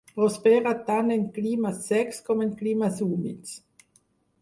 Prospera tant en climes secs com en climes humits.